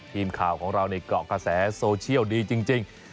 ทีมข่าวของเราในเกาะกระแสโซเชียลดีจริง